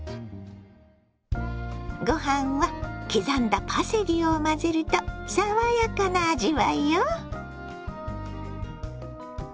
ご飯は刻んだパセリを混ぜると爽やかな味わいよ。